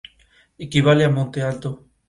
Equivale a ""monte alto"".